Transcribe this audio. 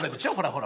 ほら。